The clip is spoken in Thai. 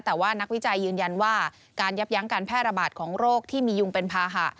แต่ว่านักวิจัยยืนยันว่าการยับยั้งการแพร่ระบาดของโรคที่มียุงเป็นภาหะ